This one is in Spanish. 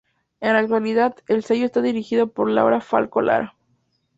En la actualidad, el sello está dirigido por Laura Falcó Lara.